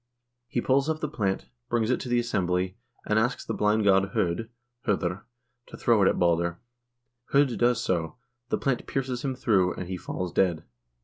He pulls up the plant, brings it to the assembly, and asks the blind god H0d (Hqo>) to throw it at Balder. H0d does so; the plant pierces him through, and he falls dead.